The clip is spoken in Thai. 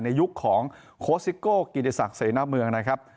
ในยุคนี้โครชิกโกะยกิริจรักษ์เศร้าเนี่ย